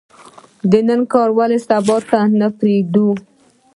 د نن کار ولې سبا ته نه پریږدو؟